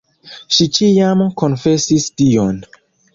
Ŝi ĉiam konfesis dion.